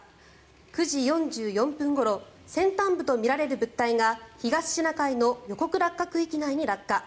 ９時４４分ごろ先端部とみられる物体が東シナ海の予告落下区域内に落下。